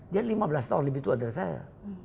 dia lima belas tahun lebih tua dari saya